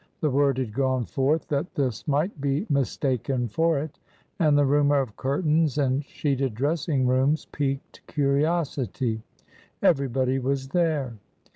The word had gone forth that this might be mistaken for it, and the rumor of curtains and sheeted dressing rooms piqued curiosity. Everybody was there.